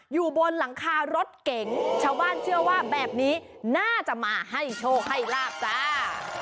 อยู่บนหลังคารถเก๋งชาวบ้านเชื่อว่าแบบนี้น่าจะมาให้โชคให้ลาบจ้า